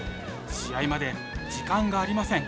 試合まで時間がありません。